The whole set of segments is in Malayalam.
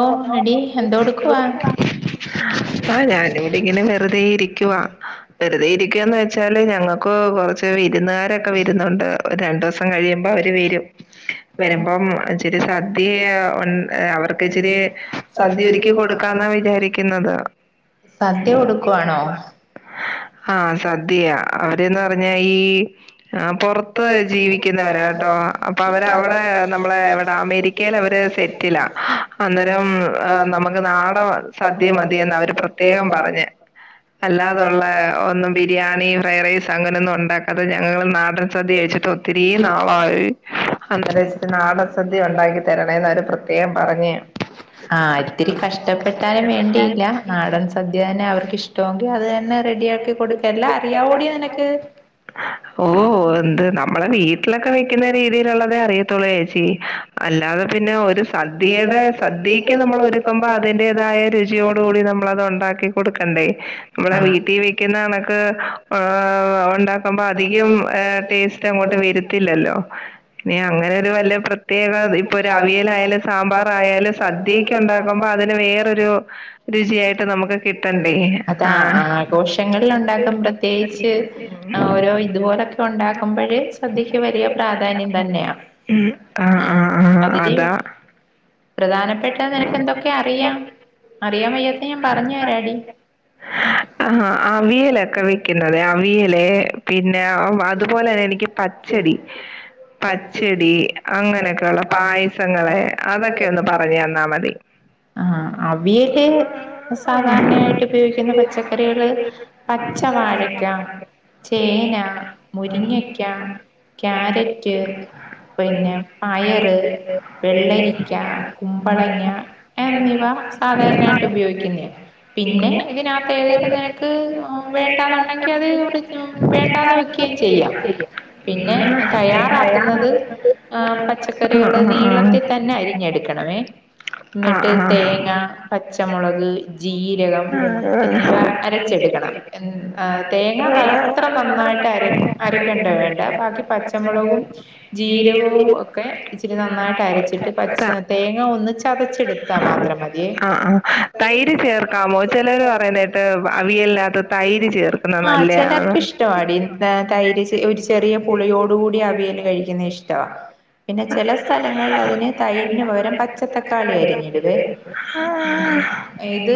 ഓ എടി എന്തോ എടുക്കുവാ ആ ഞാൻ ഇവിടെ ഇങ്ങനെ വെറുതെ ഇരിക്കുവാ വെറുതെ ഇരിക്കുവാന്ന് വെച്ചാൽ ഞങ്ങക്ക് കൊറച്ച് വിരുന്നുകാരൊക്കെ വരുന്നുണ്ട് രണ്ടു ദിവസം കഴിയുമ്പോ അവര് വരും വരുമ്പം ഇച്ചിരി സദ്യ ഉണ് അവർക്ക് ഇച്ചരി സദ്യ ഒരുക്കി കൊടുക്കാന്നാ വിചാരിക്കുന്നത് സദ്യ കൊടുക്കുവാണോ ആ സദ്യയാ അവര്ന്ന് പറഞ്ഞാ ഈ ആ പൊറത്ത് ജീവിക്കുന്നവരാട്ടോ അപ്പൊ അവര് അവടെ നമ്മളെ എവിടെ അമേരിക്കേൽ അവര് സെറ്റ് ത്തില്ല അന്നേരം നമുക്ക് നാടം സദ്യ മതിയെന്ന് അവര് പ്രത്യേകം പറഞ്ഞഞ് അല്ലാതുള്ള ഒന്നും ബിരിയാണി ഫ്രൈ റൈസ് അങ്ങനെ ഒന്നും ഉണ്ടാക്കാതെ ഞങ്ങൾ ഉം നാടൻ സദ്യ കഴിച്ചിട്ട് ഒത്തിരി നാളായി അന്നേരം വെച്ചിട്ട് നാടൻ സദ്യ ഉണ്ടാക്കി തരണേന്ന് അവര് പ്രതെ ആ ഇത്തിരി കഷ്ടപ്പെട്ടാലും വേണ്ടിയില്ല നാടൻ സദ്യ തന്നെ അവർക്ക് ഇഷ്ടമെങ്കിൽ അത് തന്നെ റെഡി ആക്കി കൊടുക്കല്ല അറിയവോടി നിനക്ക് ഓ എന്ത് നമ്മളെ വീട്ടിലൊക്കെ വെക്കുന്ന രീതിയിലുള്ളതേ അറിയതൊള്ളൂ ചേച്ചി അല്ലാതെ പിന്നെ ഒരു സദ്യയുടെ സദ്യക്ക് നമ്മൾ ഒരുക്കുമ്പോ അതിന്റേതായ രുചിയോടു കൂടി നമ്മളത് ഉണ്ടാക്കി കൊടുക്കണ്ടേ നമ്മളെ ആഹ് വീട്ടിൽ വെക്കുന്ന കണക്ക് ഓ ഉണ്ടാക്കുമ്പോ അധികം ടേസ്റ്റ് അങ്ങോട്ട് അധികം ടേസ്റ്റ് അങ്ങോട്ട്‌ വരത്തില്ലല്ലോ. ഇനി അങ്ങനെ ഒരു വല്യ പ്രത്യേക ഇപ്പൊരു അവിയലായാല സാമ്പാർ ആയാല് സദ്യക്ക് ഉണ്ടാക്കുമ്പോ അതിന് വേറൊരു രുചിയായിട്ട് നമുക്ക് കിട്ടണ്ടേ അതാ ആ ആഘോഷങ്ങളിൽ ഉണ്ടാക്കും പ്രത്യേകിച്ച് ഓരോ ഇതുപോലൊക്കെ ഉണ്ടാക്കുമ്പോഴേ സദ്യക്ക് വലിയ പ്രാധാന്യം തന്നെയാ ഉ ആഹ് ഉം ആഹ് ആഹ് അതില് അതാ പ്രധാനപ്പെട്ട നിനക്ക് എന്തൊക്കെ അറിയാം അറിയാൻ വയ്യാത്ത ഞാൻ പറഞ്ഞു തരാടി ആ അവിയലൊക്കെ വെക്കുന്നത് അവിയല് പിന്നെ അതുപോലെ തന്നെ പിന്നെ അതുപോലെ തന്നെ എനിക്ക് പച്ചടി പച്ചടി അങ്ങനെയൊക്കെയ ഉള്ള പായസങ്ങളെ ആഹ് അവിയല് സാധാരണയായിട്ട് ഉപയോഗിക്കുന്ന പച്ചക്കറികള് പച്ച വാഴക്ക ചേന മുരിങ്ങക്ക കാരറ്റ് ക്യാരറ്റ് പിന്നെ പയറ് വെള്ളരി വെള്ളരിക്ക കുമ്പളങ്ങ എന്നിവ സാധാരണയായിട്ട് മുരിങ്ങ ക്ക്യ കുമ്പളങ്ങ എന്നിവ സാധാരണയായിട്ടു ക്കാ ക്കാ ഉപയോഗിക്കുന്നയാ പിന്നെ ഇതിനകത്ത് ഏതേലും നിനക്ക് വേണ്ടന്നുണ്ടെങ്കിൽ അത് വേണ്ടാന്ന് വെക്കുകയും ചെയ്യാം പിന്നെ അ തയ്യാറാക്കുന്നത് ആഹ് ഞ്ഞെടുക്കണമേ ന്നിട്ട് ആ ആ ആ തേങ്ങ, പച്ചമുളക്, ജീരകം ആ എന്നിവ അരച്ചെടുക്കണം എന്ന് തേങ്ങ [unintelligible] ങ്ങ നന്നായിട്ട് അര അരക്കേണ്ട വേണ്ട ബാക്കി പച്ചമുളകും ജീരകവും ഒക്കെ ഇച്ചിരി നന്നായിട്ട് അരച്ചിട്ട് പച്ച തേങ്ങ ഒന്ന് ചതച്ചെടുത്താ മാത്രം മതിയേ ആഹ് ആഹ് തൈര് ചേർക്കാമോ? ചിലർ പറയുന്ന കേട്ട് അവിയലിനകത്തു തൈര് ചേർക്കുന്ന നല്ലതാണ് ഇഷ്ട്ടവാടി തൈര്. ഒരു ചെറിയ പുളിയോട് കൂടി അവിയൽ കഴിക്കുന്നത് ഇഷ്ടവാ പിന്നെ ചില സ്ഥലങ്ങളില് അതിന് തൈര് ഇത്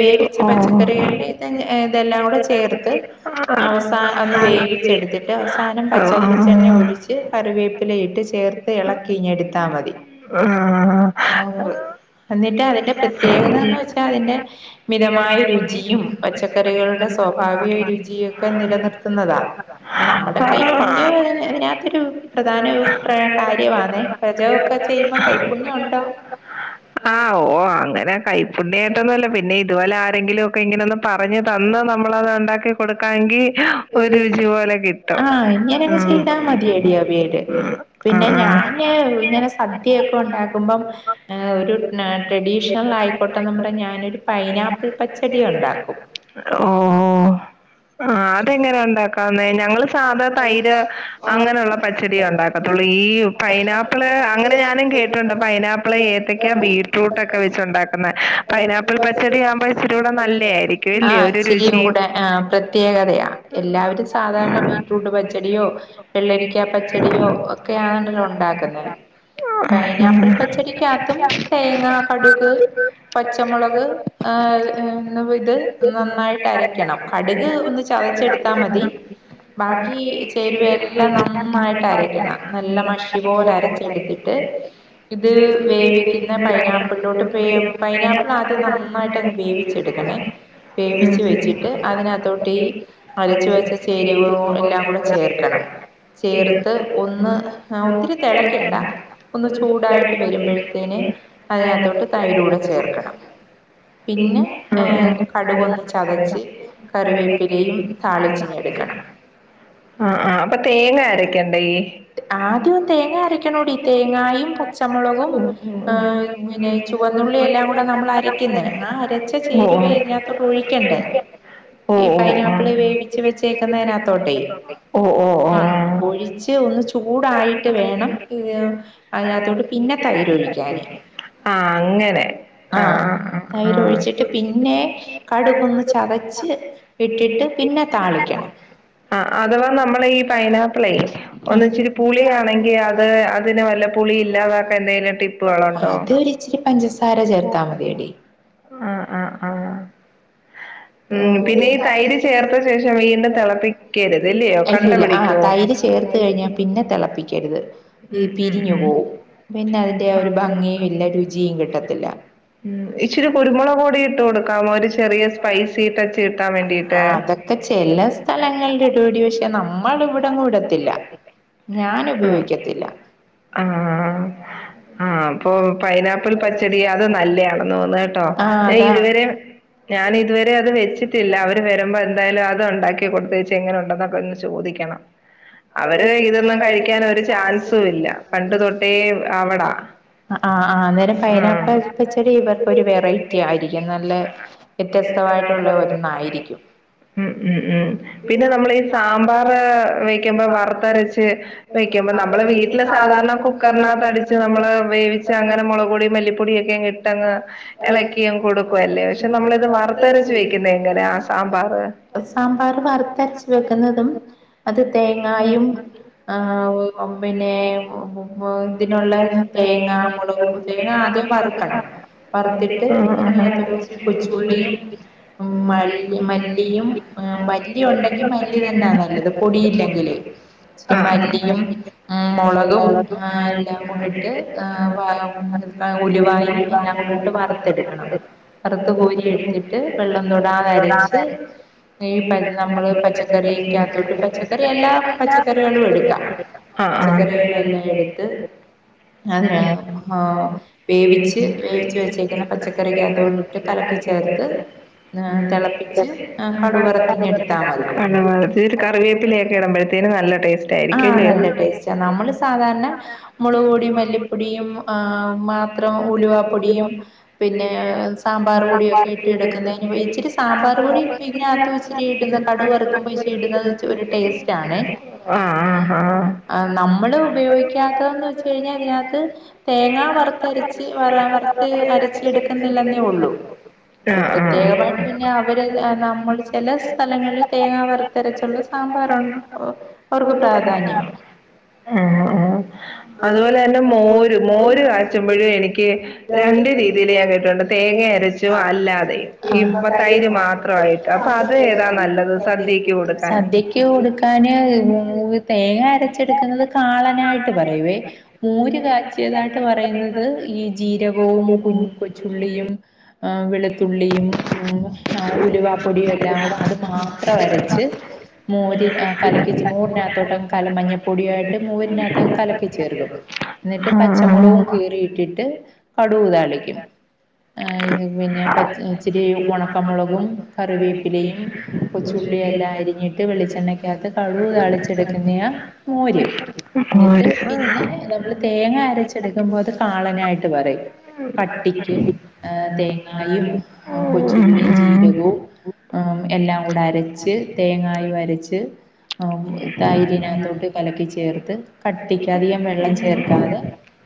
വേവിച്ച പച്ചക്കറികളിൽ ഇത് അവസാ ഒന്ന് വേവിച്ചെടുത്തിട്ട് അവസാനം പച്ചവെളിച്ചെണ്ണ ഒഴിച്ച് കറിവേപ്പില ഇട്ട് ചേർത്ത് എളക്കി ഇങ്ങടുത്താമതി [unintelligible] എന്നിട്ട് അതിന്റെ പ്രത്യേകതന്ന് വെച്ചാ അതിന്റെ മിതമായ രുചിയും പച്ചക്കറികളുടെ സ്വാഭാവിക രുചിയും ഒക്കെ നിലനിർത്തുന്നതാണ്. നമ്മുടെ കൈപുണ്യം അതിനകത്തൊരു പ്രധാന കാര്യാണ് പാചകോക്കെ ചെയ്യു ബോ ആ ഓ അങ്ങനെ കൈപ്പുണ്ണിായിട്ടൊന്നുംല്ല പിന്നെ ഇതുപോലെ ആരെങ്കിലും ഒക്കെ ഇങ്ങനെൊന്ന് പറഞ്ഞതന്ന് നമ്മളത് ഉണ്ടാക്കികൊടുക്കാമെങ്കിൽ ആ ഇങ്ങനെയങ് ഉം ചെയ്താ മതിയടി അവിയല്. ഉം പിന്നെ ഉം ഞാന് ഇങ്ങനെ സദ്യ ട്രഡീഷണൽ ആയിക്കോട്ടെന്നും പറഞ്ഞ് ഞാനൊരു പൈനാപ്പിൾ പച്ചടി ഉണ്ടാക്കും ഓ ഓ ആ അതെങ്ങനെ ഉണ്ടാക്കുന്നേ ഞങ്ങള് സാധാ തൈര് അങ്ങനെയുള്ള പച്ചടിയ ഉണ്ടാക്കത്തുള്ളൂ ഈ പൈനാപ്പിള് അങ്ങനെ ഞാനും കേട്ടിട്ടുണ്ട് പൈനപ്പിൾ, ഏത്തക്ക, ബീറ്റ്റൂട്ട് ഒക്കെ വെച്ചു ഉണ്ടാക്കുന്ന പൈനാപ്പിൾ പച്ചട ആവുമ്പോ ഇച്ചരി കൂടെ നല്ലേയാ യിരിക്കും ആ ഇല്ലേ ഒരു ഇച്ചിരിയും രുചിയും കൂടെ ആ പ്രത്യേകതയാ എല്ലാവരും സാധാരണ ബീറ്റ്റൂട്ട് പച്ചടിയോ വെള്ളരിക്കാ പച്ചടിയോ ഒക്കെയ ആണല്ലോ ഉണ്ടാക്കുന്നത് പൈനാപ്പിൾ പച്ചടിക്കകത്തും തേങ്ങ, കടുക്, പച്ചമുളക് ഏ ഇത് നന്നായിട്ട് അരക്കണം കടുക് ചതച്ചെടുത്താ മതി. ബാക്കി ചേരുവ എല്ലാം നന്നായിട്ട് അരക്കണം നല്ല മഷി പോലെ അരച്ചെടുത്തിട്ട് ഇത് വേവിക്കുന്ന പൈനാപ്പിളിലോട്ട് വേവ് പൈനാപ്പിൾ ആദ്യം നന്നായിട്ട് അങ്ങ് വേവിച്ചെടുക്കണേ വേവിച്ച് വെച്ചിട്ട് അതിനത്ത് തൊട്ട് ഈ അരച്ച് വെച്ച ചേരുകളെല്ലാം കൂടെ ചേർക്കണം ചേർത്ത് ഒന്ന് ഒത്തിരി തെളക്കണ്ട ഒന്ന് ചൂടായിട്ട് വരുമ്പഴത്തേന് അതിനാത്തോട്ട് തൈരൂടെ ചേർക്കണം പിന്നെ ഏ കടുകൊന്ന് ചതച്ച് കറിവേപ്പിലയും ആഹ് താളിച്ചിഞ്ഞെടുക്കണം ആഹ് അപ്പൊ തേങ്ങ അരയ്ക്കണ്ടേ? ആദ്യം തേങ്ങ അരക്കണോടി ങ്ങായും പച്ചമുളകും ഏഹ് പിന്നെ ചുവന്നുള്ളി എല്ലാം കൂടെ നമ്മൾ അരക്കുന്നെ ആ അരച്ച ചേരുവാ ഓ ഇതിനാത്തോട്ട് ഒഴിക്കണ്ടേ ഈ പൈനാപ്പിള് വേവിച്ച് ഓ വെച്ചേക്കുന്നതിനകത്തോട്ടെ ഓ ആഹ് ഒഴിച്ച് ഒന്ന് ഓ ചൂടായിട്ട് വേണം ഓ അതിനകത്തോട്ട് പിന്നെ ആഹ് തൈര് ഒഴിക്കാന് ആഹ് അങ്ങനെ തൈര് ആഹ് ഒഴിച്ചിട്ട് പിന്നെ ആഹ് കടുകൊന്ന് ചതച്ച് ആഹ് ഇട്ടിട്ട് പിന്നെ താളിക്കണം ആ അഥവാ നമ്മൾ ഈ പൈനാപ്പിളേ ഒന്നിച്ചിരി പൂളിയാണെങ്കിൽ അത് അ ടിപ്പുകളുണ്ടോ അതൊരിച്ചിരി പഞ്ചസാര ചേർത്താ മതിയെടി ആ ആ ആ ഉം പിന്നെ ഈ തൈര് ചേർത്ത ശേഷം വീണ്ടും തിളപ്പിക്കരുത് ഇല്ലയോ കട്ട അല്ലല്ല ആ പിടിക്കുവോ തൈര് ചേർത്ത് കഴിഞ്ഞാ പിന്നെ തിളപ്പിക്കരുത് ഈ പിരിഞ്ഞു പോവും പിന്നെ അതിന്റെ ആ ഒരു ഭംഗിയും ഇല്ല രുചിയും കിട്ടത്തില്ല ഇച്ചിരി കുരുമുളക് പൊടി ചേർക്കാമോ ഒരു ചെറിയ സ്‌പൈസി അതൊക്കെ ചെല സ്ഥലങ്ങളിൽ ഇടോടി പക്ഷെ നമ്മൾ ഇവിട കൂടത്തില്ല ഞാൻ ഉപയോഗിക്കത്തില്ല ആഹ് ആ ആഹ് അപ്പൊ പൈനാപ്പിൾ പച്ചടി അത് നല്ലയാണെന്ന് തോന്നുന്നു കേട്ടോ ആഹ് ഞാൻ അതാ ഇതുവരെ ഞാൻ ഇതുവരെ അത് വെച്ചിട്ടില്ല അവര് വരുമ്പോ എന്തായാലും അത് ഉണ്ടാക്കി കൊടുതേച്ച് എങ്ങനെ ഉണ്ടെന്നൊക്കെ ഒന്ന് ചോദിക്കണം അവര് ഇതൊന്നും കഴിക്കാൻ ഒരു ചാൻസ് പണ്ട് തൊട്ടേ അവ്ടാ ആഹ് ആഹ് അന്നേരം പൈനാപ്പിൾ പച്ചടി ഇവർക്കൊരു വെറൈറ്റി ആയിരിക്കും നല്ല വ്യത്യസ്തമായിട്ടുള്ള ഒന്നായിരിക്കും ഹ് ഹ് ഹും പിന്നെ നമ്മടെ ഈ സാമ്പാറ് വെക്ക് രച്ച് വയ്ക്കുമ്പോ നമ്മളെ വീ വീട്ടില് സാധാരണ കുക്കറിനകത്ത് അടിച്ച് നമ്മള് വേവിച്ചച്ച അങ്ങനെ മുളക് പൊടി മല്ലിപ്പൊടിയ ഒക്കെ ഇട്ടങ്ങ് ഇളക്കിയും കൊടുക്കുവല്ലേ പക്ഷെ നമ്മള ഇത് വറുത്തരച്ച് വെക്കുന്ന എങ്ങനെ ആ സാമ്പാർ സാമ്പാർ വറുത്തരച്ച് വെക്കുന്നതും അത് തേങ്ങായും ആ പി തേ പിന്ന ഇതിനുള്ള തേങ്ങ മുളക് തേങ്ങ ആദ്യം വറുക്കണം വറുത്തിട്ട് അതിനകത്തോട്ട് ഇച്ചരി കൊച്ചുള്ളിയും മ മല്ലിയും മല്ലി ഉണ്ടെങ്കിൽ മല്ലി തന്നാ നല്ലത് പൊടിയില്ലങ്കി ങ്കിലെ മല്ലിയും ഊം മുളകും എല്ലാം കൂടിട്ട് ഇട്ടിട്ട് വാ ഉലുവായും എല്ലാം കൊണ്ടട്ട് വറുത്തെടുക്കണം വറുത്ത് കോരി എടുത്തിട്ട് വെള്ളം തൊടാതരച്ച് ഈ പ നമ്മള് പച്ചക്കറിയിക്കകത്തോട്ട് പച്ച പച്ചക്കറിയെല്ലാ പച്ചക്കറികളു യെടുക്കാം പച്ചക്കറികളെല്ലാം എടുത്ത് അതിന ആഹ് വേവിച്ച് വേവിച്ച് വെച്ചേക്കുന്ന പച്ചക്കറിക്കകത്തോട്ട് കലക്കി ചേർത്ത് ആഹ് തിളപ്പിച്ച് കടുവറത്തിഞ്ഞെടുത്താൽ മതി കറിവേപ്പില ഇള മ്പഴത്തേന് നല്ല ടേസ്റ്റ് ആഹ് ആയിരിക്കുംല്ലോ നല്ല ടേസ്റ്റാ നമ്മള് സാധാരണ മുളക് പൊടിയ മല്ലിപ്പൊടിയും ആ മാത്രം ഉലുവപ്പൊടിയും പിന്നെ സാമ്പാർ പൊടിയൊക്കെ ഇട്ട് എടുക്കുന്നതിന് നമ്മൾ സാധരണ മുളകുപൊടി മല്ലിപൊടി യും മാത്രം ഉലുവപൊടിയുംപിന്നെ സാമ്പാർ പൊടിയുമൊക്കെ ഇട്ടെടുക്കുന്ന തിന് ഇച്ചിരി സാമ്പാർ പൊടി ഇതിനകത്ത് ഇച്ചിരി ഇടുന്ന കടു വറുക്കുമ്പോ ഇച്ചരി ഇടുന്നത് ഒരു ടേസ്റ്റ് ആഹ ആ് ആഹ നമ്മള് ഉപയോഗിക്കാത്തന്ന് വച്ച കഴിഞ്ഞാൽ അതിനകത്ത് തേങ്ങ വറുത്തരച്ച് വറുത്ത് അരച്ച എടുക്കുന്നില്ലെന്നേ ഉള്ളൂ ആ പ്രത്യേകമായിട്ട് ആ പിന്നെ നമ്മൾ ചില സ്ഥലങ്ങളിൽ തേങ്ങാ വറുത്തരച്ചുള്ള സാമ്പാറുണ്ട് ഓ അവർക്ക് പ്രാധാന്യമാ ഉ അതുപോലെ തന്നെ മോര് മോര് കാച്ചുമ്പോഴും എനിക്ക് രണ്ട രീതിയിൽ ങ് ഹഅത് പോലെ തന്നമോരും മോര് കാച്ചുമ്പോഴും എനിക്ക് രണ്ടു രീതിയിൽ തേങ്ങ രച്ചും അല്ലാതെയും ഞാൻ കേട്ടിട്ടുണ്ട് തേങ്ങ അരച്ചും അല്ലാതെ യും തൈര് മാത്രമായിട്ട് അപ്പൊ അത് ഏതാ നല്ലത് സദ്യക്ക് കൊടുക്കാൻ ക തേങ്ങ യും തേങ്ങ അരച്ചെടുക്ക ഞങ്ങൾ കാളനായിട്ട് പറയവേ മോര് കാച്ചിയതായിട്ട് പറയുന്നത് ഈ ജീരകവും കുഞ് കൊച്ചുള്ളിയും ആ വെളുത്തുള്ളിയും ഉലുവപ്പൊടിയും എല്ലാം കൂടെ അത് മാത്രം വരച്ച് മോരി കലക്കിച്ച് മോരിനാത്തോട്ട് അങ്ങ് കല മഞ്ഞപ്പൊടിയായിട്ട് മോരിനാത്തോട്ട് കലക്കി ചേർക്കും എന്നിട്ട് ആ പച്ചമുളകവും ആ കീറിയിട്ടിട്ട് കടുവ് താളിക്കും അ ഇ പിന്നെ പച്ച് ഇച്ചിരി ഒണക്കമുളകും, കറിവേപ്പിലയും, കൊച്ചുള്ളിയും, എല്ലാം അരിഞ്ഞിട്ട് വെളിച്ചെണ്ണക്ക അതിനാത്ത് കടു താളിച്ചെടുക്കുന്നയാ മോര് എന്നിട്ട് മോര് പിന്നെ നമ്മൾ തേങ്ങ അരച്ചെടുക്കുമ്പോ അത് കാളനായിട്ട് പറയും കട്ടിക്ക് ആഹ് തേങ്ങാ ങ്ങായും ഉം കൊച്ചുള്ളിയും ഉം ജീരകവും ആം എല്ലാം കൂടെ അരച്ച് തേങ്ങായും അരച്ച് ആ തൈരിനകത്തോട്ട് കലക്കി ചേർത്ത് കട്ടിക്ക് അധികം വെള്ളം ചേർക്കാതെ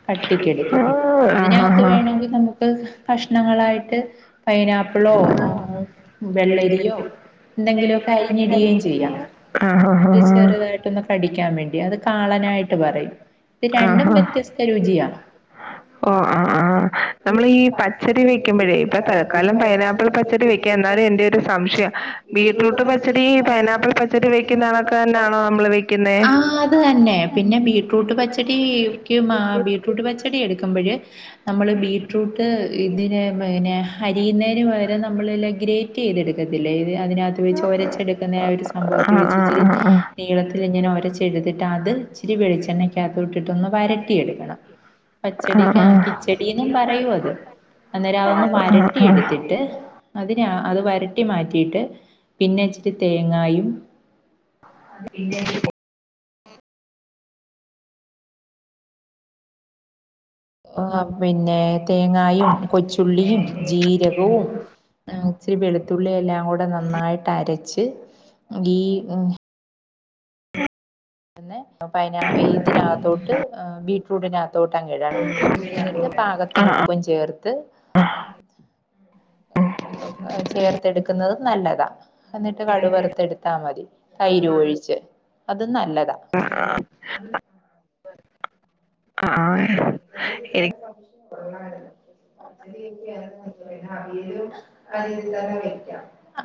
കട്ടിക്കെടുക്കും ആ ആ അതിനകത്ത് ആ ആ. വേണമെങ്കി നമുക്ക് കഷ്ണങ്ങളായിട്ട് പൈനാപ്പിളോ ഏഹ് വെള്ളരിയോ എന്തെങ്കിലൊക്കെ അരിഞ്ഞിടയും ചെയ്യാം. ആഹ് അത് ആഹ് ചെറുതായിട്ടൊന്ന് കടിക്കാൻ വേണ്ടി അത് കാളനായിട്ട് പറയും ഇത് രണ്ടും ആഹ് ആഹ് ആഹ് വ്യത്യസ്ത രുചിയാ. ഓഹ് ആഹ് ആഹ് നമ്മള് ഈ പച്ചടി വെക്കുമ്പഴേ ഇപ്പൊ തൽക്കാലം പൈനാപ്പിൾ പച്ചടി വെക്കാം, എന്നാലും എന്റെ ഒരു സംശയം, ബീട്രൂട്ട് പച്ചടി പൈനാപ്പിൾ പച്ചടി വെക് ആ അത് തന്നെ പിന്നെ ബീട്രൂട്ട് പച്ചടി ക്ക് ബീട്രൂട്ട് പച്ചടി എടുക്കുമ്പഴ് നമ്മള് ബീട്രൂട്ട് ഇതിനെ പിന്നെ അരിയുന്നേന് പകരം നമ്മളെല്ലാം ഗ്രേറ്റ് ചെയ്തെടുക്കത്തില്ലേ അതിനാത്ത് വെച്ച് ഒരച്ചെടുക്കുന്നേ ആ ഒരു സംഭവ ആഹ് ഇച്ചിരി ഇച്ചിരി ആഹ് ആഹ് നീളത്തിലിങ്ങനെ ഒരച്ചെടുത്തിട്ട് അത് ഇച്ചിരി വെളിച്ചെണ്ണക്കകത്തോട്ട് ഇട്ട് വരട്ടിയെടുക്കണം, ആഹ് പച്ചടിക്ക് ആണ് ആഹ് കിച്ചടി എന്നും പറയും അത്, അന്നേരം അതൊന്ന് വഴ ആഹ് ആഹ് ട്ടി ആഹ് എടുത്തിട്ട് അതിനാ അത് വരട്ടി മാറ്റിയിട്ട് പിന്നെ ഇച്ചിരി തേങ്ങായും [unintelligible] ആഹ് പിന്നെ തേങ്ങായും കൊച്ചുള്ളിയും ജീരകവും ഏഹ് ഇച്ചിരി വെളുത്തുള്ളി എല്ലാം കൂടെ നന്നായിട്ട് അരച്ച് ട്ട് ഗീ ഏഹ് പിന്നെ പിന്നെ ഇതിനകത്തോട്ട് ഏഹ് ബീട്രൂട്ടിനകത്തോട്ട് അങ്ങ് ഇടണം, എന്നിട്ട് പാകത്തിന് ആഹ് ഉപ്പും ചേർത്ത് ആഹ് ഏഹ് ചേർത്തെടുക്കുന്നത് നല്ലത എന്നിട്ട് കടു വറത്തെ എടുത്താ മതി തൈര് ഒഴിച്ച് അത് നല്ല ആഹ് ആഹ്‌ [inaudible] [inaudible] ആഹ് എനിക്ക്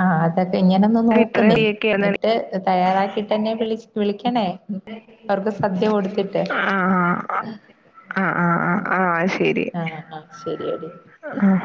ആഹ് അത ഇങ്ങനെന്ന് നോക്കു നീ ഇത്രയും ന്നിട്ട് തയ്യാറാക്കിട്ടെന്നെ വിളി വിളിക്കണേ അവർക്ക് സദ്യ കൊടുത്തിട്ട് ആഹ് ആഹ് ആഹ് ആഹ് ആഹ് ശരി ആഹ് ആഹ് ശരിയടീ ആഹ്